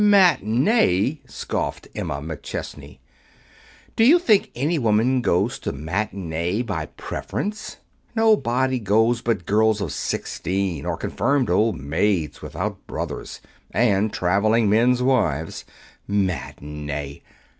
"Matinee!" scoffed Emma McChesney. "Do you think any woman goes to matinee by preference? Nobody goes but girls of sixteen, and confirmed old maids without brothers, and traveling men's wives. Matinee!